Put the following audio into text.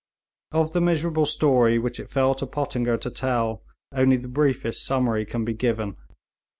Of the miserable story which it fell to Pottinger to tell only the briefest summary can be given.